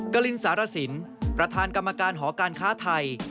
กรินสารสินประธานกรรมการหอการค้าไทย